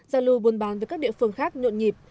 giao lưu buôn bán với các địa phương khác nhộn nhịp